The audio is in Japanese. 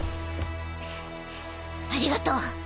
ありがとう。